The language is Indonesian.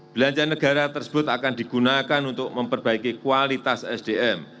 belanja negara tersebut akan digunakan untuk memperbaiki kualitas sdm